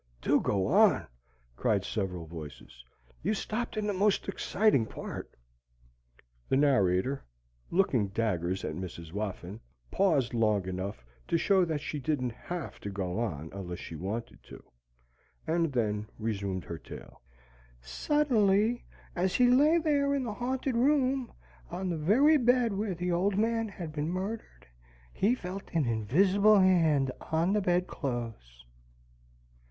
"Do go on!" cried several voices. "You stopped in the most exciting part." The narrator, looking daggers at Mrs. Whoffin, paused long enough to show that she didn't have to go on unless she wanted to, and then resumed her tale: "Suddenly, as he lay there in the haunted room, on the very bed where the old man had been murdered, he felt an invisible hand on the bedclothes."